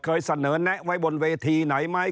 เคยเสนอแนะไว้บนเวทีไหนไหม